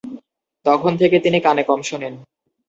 তখন থেকে তিনি কানে কম শোনেন।